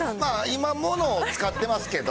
今、ＭＯＮＯを使ってますけど。